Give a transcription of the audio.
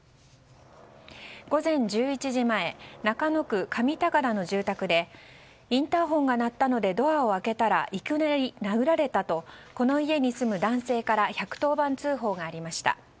午前１１時前中野区上高田の住宅でインターホンが鳴ったのでドアを開けたらいきなり殴られたとこの家に住む男性から１１０番通報がありました。